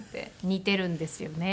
似てるんですよね。